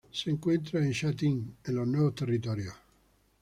Se encuentra en Sha Tin, en los Nuevos Territorios.